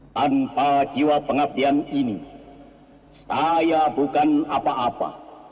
tanpa jiwa pengabdian ini saya bukan apa apa